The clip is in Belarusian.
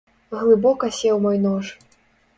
Глыбока сеў мой нож.